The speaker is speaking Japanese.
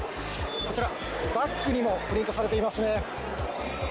こちら、バックにもプリントされていますね。